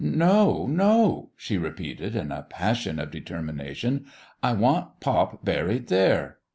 "No, no!" she repeated, in a passion of de termination. " I want pop buried there